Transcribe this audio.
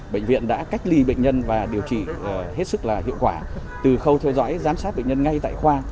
bệnh viện đã cách ly bệnh nhân và điều trị hết sức là hiệu quả từ khâu theo dõi giám sát bệnh nhân ngay tại khoa